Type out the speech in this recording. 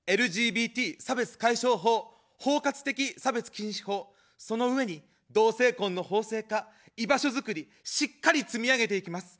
ＬＧＢＴ差別解消法、包括的差別禁止法、その上に同性婚の法制化、居場所づくり、しっかり積み上げていきます。